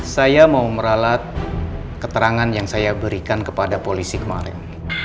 saya mau meralat keterangan yang saya berikan kepada polisi kemarin